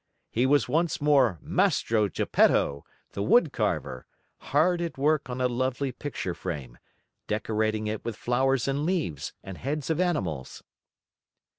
He was once more Mastro Geppetto, the wood carver, hard at work on a lovely picture frame, decorating it with flowers and leaves, and heads of animals.